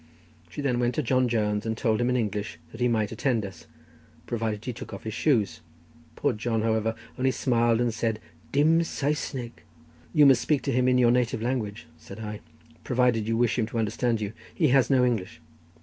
She then went to John Jones and told him in English that he might attend us provided he took off his shoes; poor John, however, only smiled, and said, "Dim Saesneg!" "You must speak to him in your native language," said I, "provided you wish him to understand you—he has no English."